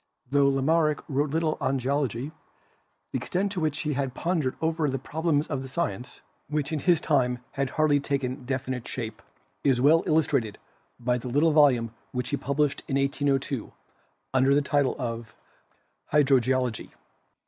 Tho Lamarck wrote little on Geology, the extent to which he had pon dered over the problems of the science, which in his time had hardly taken definite shape, is well illustrated by the little volume which he published in 1802 under the title of "Hydrogeologie."